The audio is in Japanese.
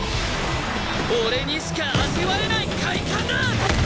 俺にしか味わえない快感だ！